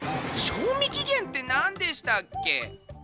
賞味期限ってなんでしたっけ？